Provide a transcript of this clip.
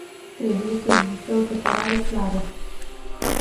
Trebuie să existe o separare clară.